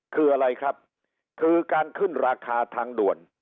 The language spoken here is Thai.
คืออะไรครับคือการขึ้นราคาทางด่วน